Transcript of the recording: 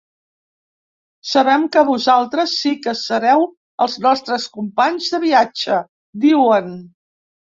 “Sabem que vosaltres sí que sereu els nostres companys de viatge”, diuen.